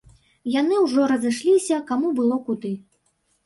Яны ўжо разышліся, каму было куды.